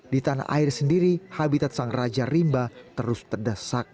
di tanah air sendiri habitat sang raja rimba terus terdesak